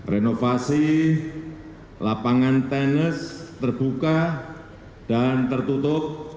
renovasi lapangan tenis terbuka dan tertutup